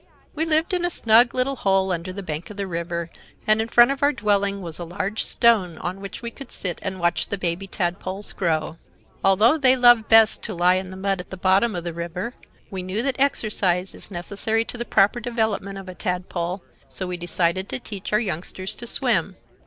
"We lived in a snug little hole under the bank of the river, and in front of our dwelling was a large stone on which we could sit and watch the baby tadpoles grow. Although they loved best to lie in the mud at the bottom of the river, we knew that exercise is necessary to the proper development of a tadpole; so we decided to teach our youngsters to swim.